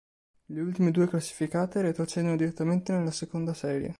Le ultime due classificate retrocedono direttamente nella seconda serie.